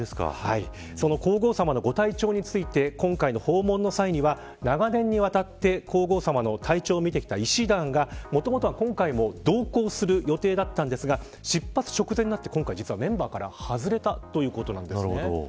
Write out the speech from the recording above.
皇后さまのご体調について今回の訪問の際には長年にわたって皇后さまの体調を見てきた医師団がもともとは今回も同行する予定だったんですが出発直前になって今回、実はメンバーから外れたということなんです。